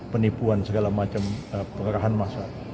penipuan segala macam pengerahan massa